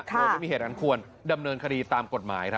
โดยไม่มีเหตุอันควรดำเนินคดีตามกฎหมาย